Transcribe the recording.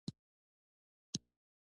هغه د بدلون له ویرې ډک دی.